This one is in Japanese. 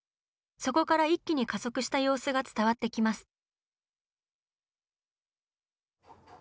そこから一気に加速した様子が伝わってきます。